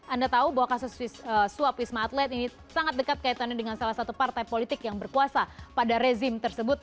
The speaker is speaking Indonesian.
anda tahu bahwa kasus suap wisma atlet ini sangat dekat kaitannya dengan salah satu partai politik yang berkuasa pada rezim tersebut